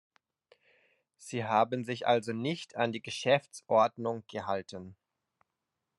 Sie haben sich also nicht an die Geschäftsordnung gehalten.